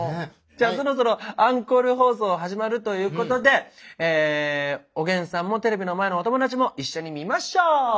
じゃあそろそろアンコール放送始まるということでおげんさんもテレビの前のお友達も一緒に見ましょう！